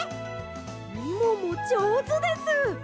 みももじょうずです！